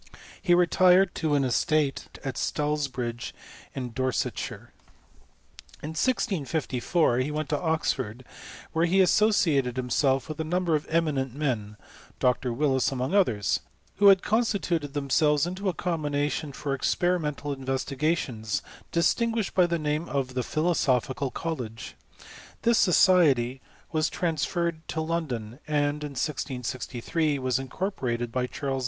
He retired to an estate at Stalbridge^ in Dorsetshire. In 1654 he went to Oxford, where he associated himself with a number of eminent men (Dr. Willis among others), who had constituted themselves into a combination for experimental investigations, distin ^ guished by the name of the Philosophical College* This society was transferred to London ; and, in 1663ty was incorporated by Charles II.